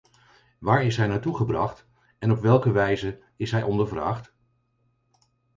Waar is hij naartoe gebracht en op welke wijze is hij ondervraagd?